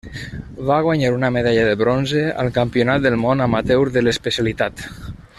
Va guanyar una medalla de bronze al Campionat del món amateur de l'especialitat.